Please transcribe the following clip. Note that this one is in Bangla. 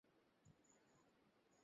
তিনি ভডেভিল মঞ্চে অভিনয় শুরু করেন।